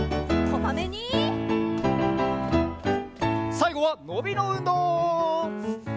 さいごはのびのうんどう！